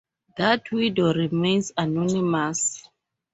That widow remains anonymous.